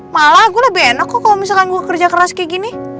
malah aku lebih enak kok kalau misalkan gue kerja keras kayak gini